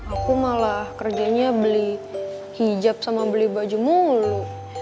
aku malah kerjanya beli hijab sama beli baju mulu